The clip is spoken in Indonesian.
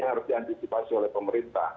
yang harus diantisipasi oleh pemerintah